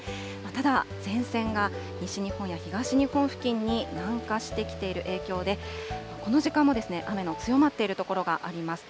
ただ、前線が西日本や東日本付近に南下してきている影響で、この時間も雨の強まっている所があります。